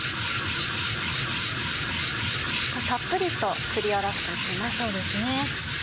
たっぷりとすりおろして行きます。